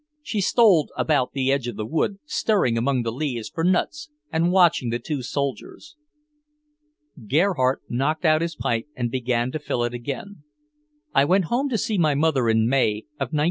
She stole about the edge of the wood, stirring among the leaves for nuts, and watching the two soldiers. Gerhardt knocked out his pipe and began to fill it again. "I went home to see my mother in May, of 1914.